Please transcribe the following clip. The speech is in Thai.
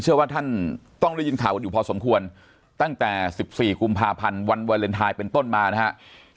เชื่อว่าท่านต้องได้ยินข่าวกันอยู่พอสมควรตั้งแต่๑๔กุมภาพันธ์วันวาเลนไทยเป็นต้นมานะครับ